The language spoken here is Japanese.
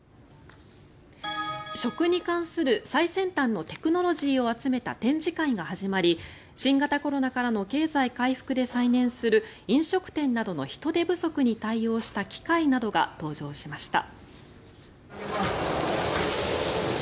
食に関する最先端のテクノロジーを集めた展示会が始まり新型コロナからの経済回復で再燃する飲食店などの人手不足に対応した機械などが登場しました。